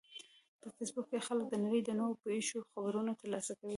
په فېسبوک کې خلک د نړۍ د نوو پیښو خبرونه ترلاسه کوي